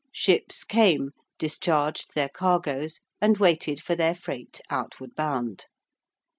Ships came, discharged their cargoes, and waited for their freight outward bound.